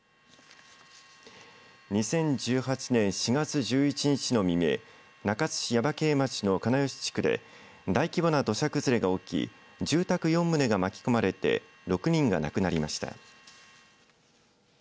２０１８年４月１１日の未明中津市耶馬渓町の金吉地区で大規模な土砂崩れが起き住宅４棟が巻き込まれて６人が亡くなりました。